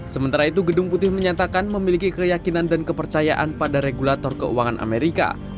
sementara itu gedung putih menyatakan memiliki keyakinan dan kepercayaan pada regulator keuangan amerika